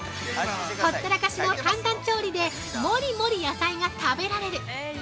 ほったらかしの簡単調理でもりもり野菜が食べられる。